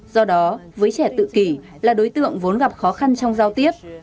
do đó với trẻ tự kỷ là đối tượng vốn gặp khó khăn trong giao tiếp